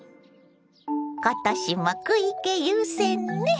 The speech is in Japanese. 今年も食い気優先ね。